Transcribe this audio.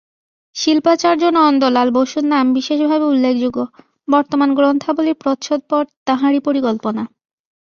শিল্পাচার্য নন্দলাল বসুর নাম বিশেষভাবে উল্লেখযোগ্য, বর্তমান গ্রন্থাবলীর প্রচ্ছদপট তাঁহারই পরিকল্পনা।